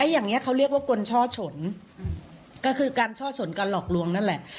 อย่างนี้เขาเรียกว่ากลช่อฉนก็คือการช่อฉนการหลอกลวงนั่นแหละ